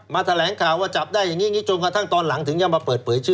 แถลงข่าวว่าจับได้อย่างนี้จนกระทั่งตอนหลังถึงยังมาเปิดเผยชื่อ